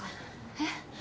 えっ？